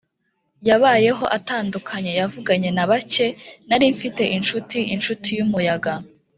yabayeho atandukanye, yavuganye na bake; nari mfite inshuti, inshuti yumuyaga